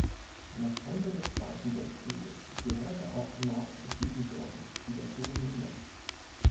Nach Ende des Zweiten Weltkrieges gehörte auch Nord-Siebenbürgen wieder zu Rumänien.